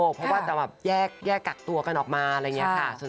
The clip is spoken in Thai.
เพราะว่าจะแบบแยกกักตัวกันออกมาอะไรอย่างนี้ค่ะ